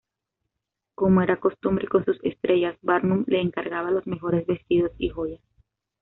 Como era costumbre con sus estrellas, Barnum le encargaba los mejores vestidos y joyas.